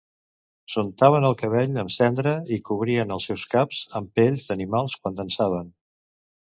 S'untaven el cabell amb cendra i cobrien els seus caps amb pells d'animals quan dansaven.